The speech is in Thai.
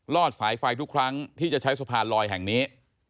อดสายไฟทุกครั้งที่จะใช้สะพานลอยแห่งนี้